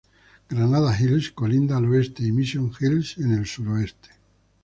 Granada Hills colinda al oeste y Mission Hills en el suroeste.